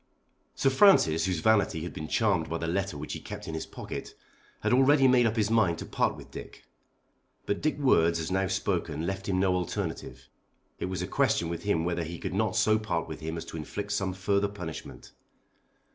Sir Francis, whose vanity had been charmed by the letter which he kept in his pocket, had already made up his mind to part with Dick. But Dick's words as now spoken left him no alternative. It was a question with him whether he could not so part with him as to inflict some further punishment.